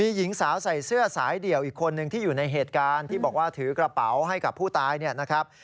หญิงสาวใส่เสื้อสายเดี่ยวอีกคนนึงที่อยู่ในเหตุการณ์ที่บอกว่าถือกระเป๋าให้กับผู้ตายเนี่ยนะครับ